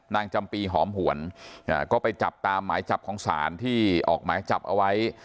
จำปีหอมหวนก็ไปจับตามหมายจับของศาลที่ออกหมายจับเอาไว้